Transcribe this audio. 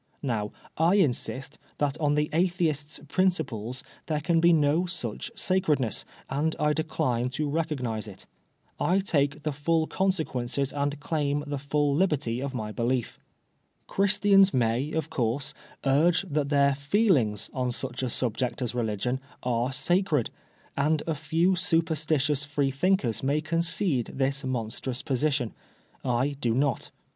Now I insist that on the Atheist^s principles there can be no such sacredness. and I decline to recognise it. I take the full consequences and claim the full liberty of my belief. " Christians may, of course, urge that their feelings on such a subject as religion are sacred^ and a few superstitious Free thinkers may concede this monstrous position. I do not.